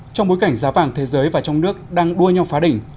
trong bối cảnh giá vàng thế giới và trong nước đang đua nhau phá đỉnh